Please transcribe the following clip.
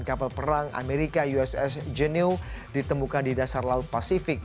kapal perang amerika uss genius ditemukan di dasar laut pasifik